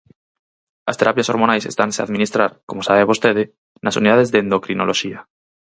As terapias hormonais estanse a administrar, como sabe vostede, nas unidades de endocrinoloxía.